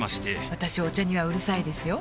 私お茶にはうるさいですよ